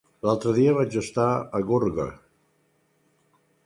L'altre dia vaig estar a Gorga.